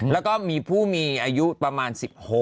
แล้วก็มีผู้มีอายุประมาณ๑๖